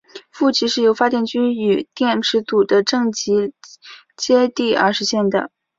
负极是由发电机与电池组的正极接地而实现的。